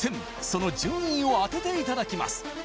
その順位を当てていただきます